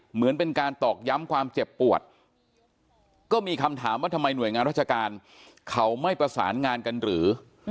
เหมือนเป็นการตอกย้ำความเจ็บปวดก็มีคำถามว่าทำไมหน่วยงานราชการเขาไม่ประสานงานกันหรือ